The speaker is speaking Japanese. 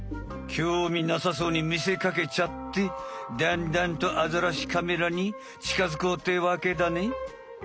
きょうみなさそうに見せかけちゃってだんだんとアザラシカメラにちかづこうってわけだね。